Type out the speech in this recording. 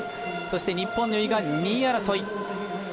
そして日本の由井が２位争い。